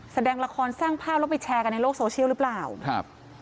แสดงละครสร้างภาพแล้วไปแชร์กันในโลกโซเชียลหรือเปล่าครับ